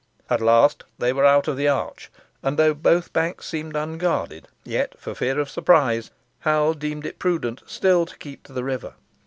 At last they were out of the arch, and though both banks seemed unguarded, yet, for fear of surprise, Hal deemed it prudent still to keep to the river.